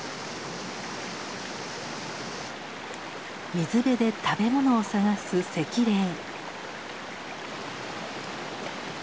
水辺で食べ物を探すセキレイ。